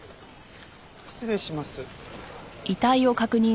失礼します。